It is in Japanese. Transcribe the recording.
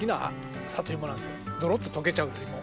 どろっと溶けちゃうよりも。